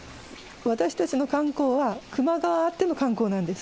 私たちの観光は、球磨川あっての観光なんです。